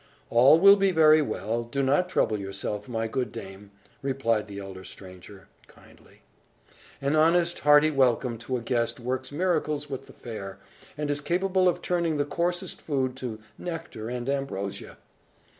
"All will be very well; do not trouble yourself, my good dame," replied the elder stranger, kindly. "An honest, hearty welcome to a guest works miracles with the fare, and is capable of turning the coarsest food to nectar and ambrosia."